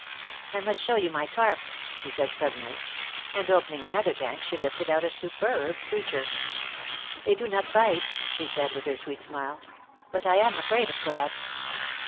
I must show you my carp," she said, suddenly ; and opening another tank, she lifted out a superb creature. ^^They do not bite," she said, with her sweet smile. But I am afraid of crabs."